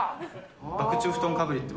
バク宙布団被りって